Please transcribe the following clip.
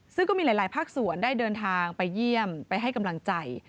ซึ่งก็มีหลายภาคส่วนได้เดินทางไปเยี่ยมไปให้กำลังใจ